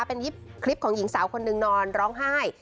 เป็นคลิปของหญิงสาวคนหนึ่งนอนร้องไห้